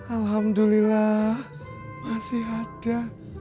alhamdulillah masih ada